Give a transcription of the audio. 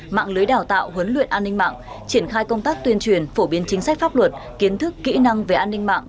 mạng lưới đào tạo huấn luyện an ninh mạng triển khai công tác tuyên truyền phổ biến chính sách pháp luật kiến thức kỹ năng về an ninh mạng